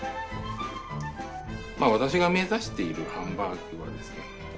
私が目指しているハンバーグはですね